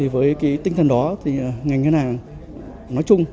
với tinh thần đó ngành ngân hàng nói chung